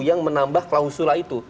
yang menambah klausula itu